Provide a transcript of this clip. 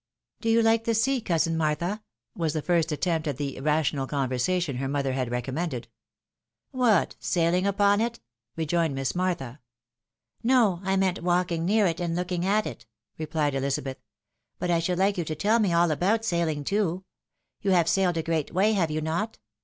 " Do you like the sea, coi^in Martha ?" was the first attempt at the "rational conversation" her mother had re commended. " What, sailing upon it?" rejoined Miss Martha. " No, I meant walking near it, and looking at it," replied Ehzabeth. " But I should hke you to tell me all about sailing too. You have sailed a great way, have you not